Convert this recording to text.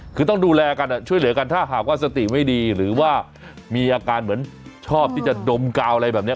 คือต้องดูแลกันช่วยเหลือกันถ้าหากว่าสติไม่ดีหรือว่ามีอาการเหมือนชอบที่จะดมกาวอะไรแบบนี้